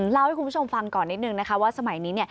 เล่าให้คุณผู้ชมฟังก่อนนิดนึงนะคะว่าสมัยนี้